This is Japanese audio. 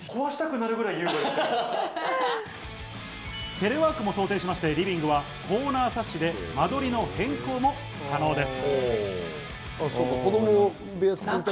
テレワークも想定しまして、リビングはコーナーサッシで間取りの変更も可能です。